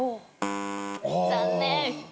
残念。